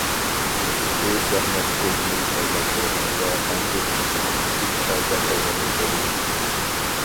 بۇ شاھمات كۆزىنى جانلاندۇرغاندا ئاندىن ئومۇميۈزلۈك غەلىبە قىلغىلى بولىدۇ.